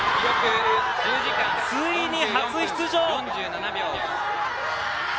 ついに初出場！